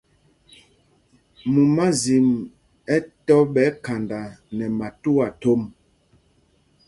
Mumázim ɛ̌ tɔ́ ɓɛ khanda nɛ matuá thom.